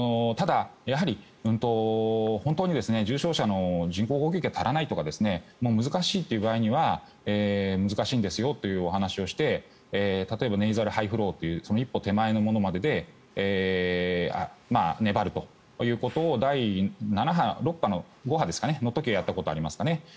ただ、やはり本当に重症者の人工呼吸器が足らないと難しいという場合には難しいんですよというお話をして例えばネーザルハイフローというその一歩手前のもので粘るということを第５波の時にやったことはあります。